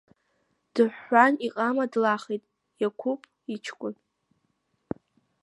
Дыҳәҳәан, иҟама длахеит Иақәыԥ иҷкәын.